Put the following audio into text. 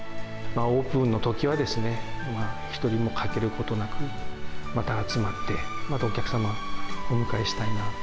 オープンのときは、一人も欠けることなく、また集まって、またお客様をお迎えしたいなと。